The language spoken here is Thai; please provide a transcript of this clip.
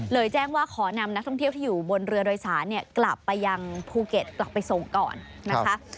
แจ้งว่าขอนำนักท่องเที่ยวที่อยู่บนเรือโดยสารเนี่ยกลับไปยังภูเก็ตกลับไปส่งก่อนนะคะ